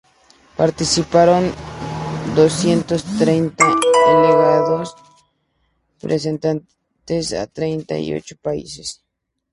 Participaron doscientos treinta delegados pertenecientes a treinta y ocho países.